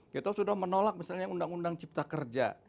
kita sudah menolak misalnya undang undang cipta kerja